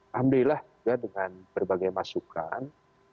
alhamdulillah juga dengan berbagai masukan